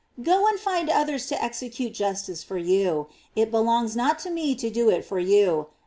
Go and find others, to execute justice for you. It belongs not to me to do it for you.